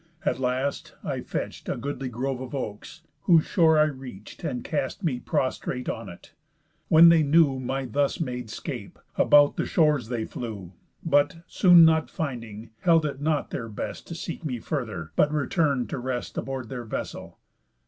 At last, I fetch'd A goodly grove of oaks, whose shore I reach'd, And cast me prostrate on it. When they knew My thus made 'scape, about the shores they flew, But, soon not finding, held it not their best To seek me further, but return'd to rest Aboard their vessel.